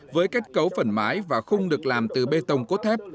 với kết cấu phần mái và khung được làm từ bê tông cốt thép